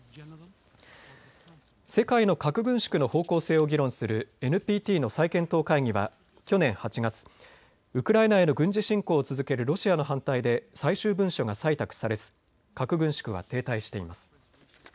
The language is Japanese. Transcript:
世界の核軍縮の方向性を議論するＮＰＴの再検討会議は去年８月、ウクライナへの軍事侵攻を続けるロシアの反対で最終文書が採択されず核軍縮は停滞しています。